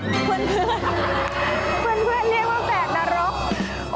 เพื่อนเรียกว่าแฝดนรก